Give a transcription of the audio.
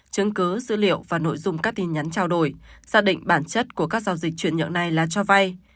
thứ dữ liệu và nội dung các tin nhắn trao đổi xác định bản chất của các giao dịch chuyển nhượng này là cho vai